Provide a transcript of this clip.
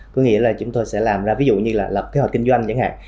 có nghĩa là chúng tôi sẽ làm ra ví dụ như là lập kế hoạch kinh doanh chẳng hạn